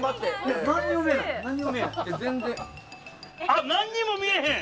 あっ何にも見えへん！